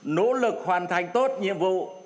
nỗ lực hoàn thành tốt nhiệm vụ